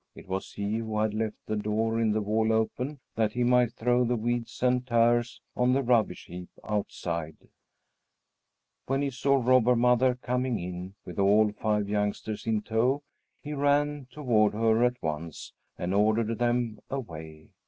It was he who had left the door in the wall open, that he might throw the weeds and tares on the rubbish heap outside. When he saw Robber Mother coming in, with all five youngsters in tow, he ran toward her at once and ordered them away.